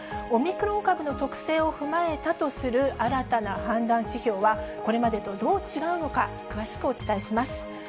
オミクロン株の特性を踏まえたとする新たな判断指標は、これまでとどう違うのか、詳しくお伝えします。